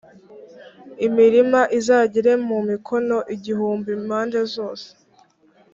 imirima izagere mu mikono igihumbi impande zose.